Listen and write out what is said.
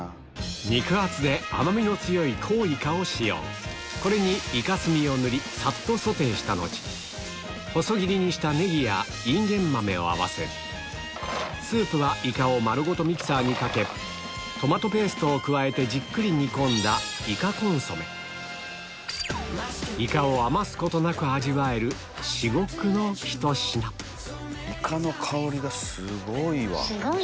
肉厚で甘みの強いこれにイカ墨を塗りさっとソテーした後細切りにしたネギやインゲンマメを合わせるスープはイカを丸ごとミキサーにかけトマトペーストを加えてじっくり煮込んだイカを余すことなく味わえる至極のひと品なるほど。